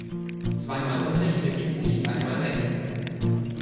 Zweimal Unrecht ergibt nicht einmal Recht.